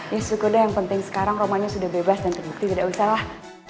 ya suku deh yang penting sekarang roman sudah bebas dan terbukti tidak usahalah